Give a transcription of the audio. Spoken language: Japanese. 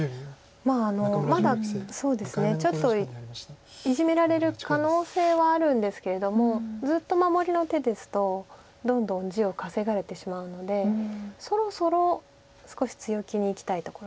まあまだそうですねちょっとイジメられる可能性はあるんですけれどもずっと守りの手ですとどんどん地を稼がれてしまうのでそろそろ少し強気にいきたいところです。